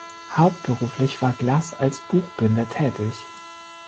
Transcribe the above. Hauptberuflich war Glass als Buchbinder tätig.